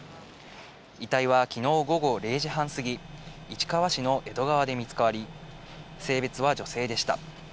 遺体はきのう午後０時半過ぎ、市川市の江戸川で見つかり、性別は女性でした。